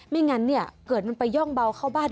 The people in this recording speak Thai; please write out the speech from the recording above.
งั้นเนี่ยเกิดมันไปย่องเบาเข้าบ้าน